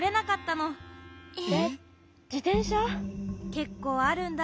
けっこうあるんだ。